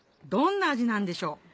どんな味なんでしょう？